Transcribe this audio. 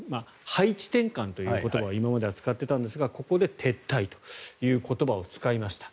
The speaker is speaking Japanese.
配置転換という言葉を今までは使ってたんですがここで撤退という言葉を使いました。